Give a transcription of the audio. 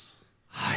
はい。